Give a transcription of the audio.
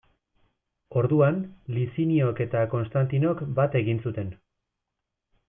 Orduan, Liziniok eta Konstantinok bat egin zuten.